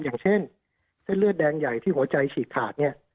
อย่างเช่นเส้นเลือดแดงใหญ่ที่หัวใจฉีกขาดเนี่ย